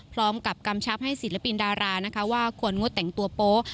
กำชับให้ศิลปินดารานะคะว่าควรงดแต่งตัวโป๊ะ